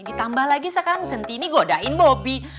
ditambah lagi sekarang centini godain bobby